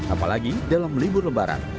apalagi dalam libur lembaran